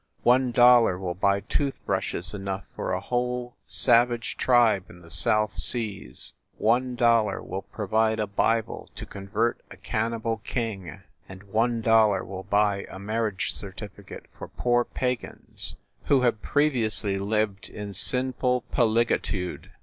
One dollar will buy tooth brushes enough for a whole savage tribe in the South Seas ! One dollar will provide a Bible to convert a cannibal king, and one dollar will buy a marriage certificate for poor pagans who have previ ously lived in sinful polygatude